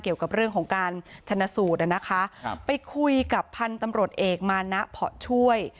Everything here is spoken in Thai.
เกี่ยวกับเรื่องของการชนะสูตรนะคะไปคุยกับพันธุ์ตำรวจเอกมานะเพาะช่วย